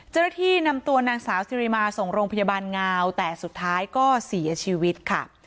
เจ้าหน้าที่นำตัวนางสาวสิริมาส่งโรงพยาบาลงาวแต่สุดท้ายก็เสียชีวิตค่ะ